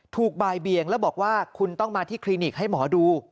บ่ายเบียงแล้วบอกว่าคุณต้องมาที่คลินิกให้หมอดู